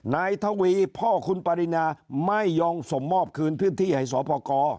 นายทวีพ่อคุณปรินาไม่ยอมส่งมอบคืนพื้นที่ให้สพก